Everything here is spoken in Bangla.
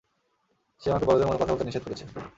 সে আমাকে বড়দের মতো কথা বলতে নিষেধ করেছে।